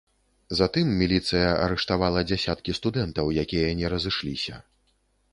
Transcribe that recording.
Затым міліцыя арыштавала дзясяткі студэнтаў, якія не разышліся.